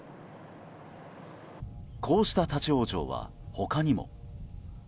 こうした立ち往生は他にも。